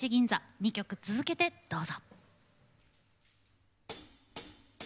２曲続けて、どうぞ。